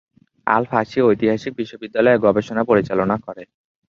আল-ফাসি ঐতিহাসিক বিশ্ববিদ্যালয়ে গবেষণা পরিচালনা করে।